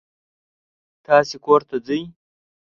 تاسې کور ته ځئ.